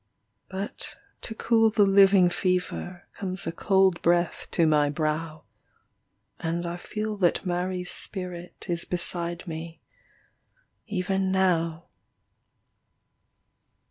But to cool the living fever, Comes a cold breath to my brow, And I feel that Mary's spirit Is beside me, even now.